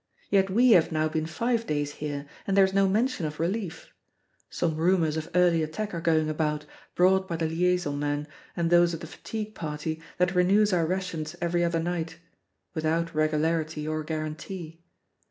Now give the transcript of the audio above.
Yet we have now been five days here and there is no mention of relief. Some rumors of early attack are going about, brought by the liaison men and those of the fatigue party that renews our rations every other night without regularity or guarantee.